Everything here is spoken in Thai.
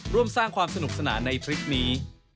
ร่วมสร้างความสนุกสนานในทริปนี้